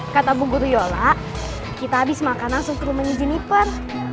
kata bu guru yola kita habis makan langsung ke rumahnya jennifer